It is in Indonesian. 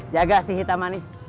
jaga si hitam manis